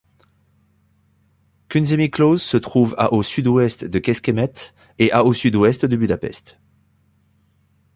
Kunszentmiklós se trouve à au sud-ouest de Kecskemét et à au sud-est de Budapest.